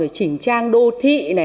rồi chỉnh trang đô thị